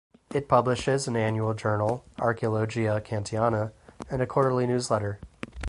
It publishes an annual journal, "Archaeologia Cantiana", and a quarterly newsletter.